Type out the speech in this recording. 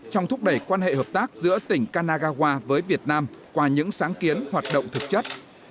trong thúc đẩy quan hệ hợp tác giữa tỉnh kanagawa với việt nam qua những sáng kiến hoạt động thực chất